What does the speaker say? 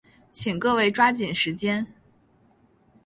请各位抓紧时间。